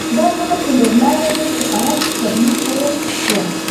دا هغه څلور لارې ده چې عرب پسرلی پیل شو.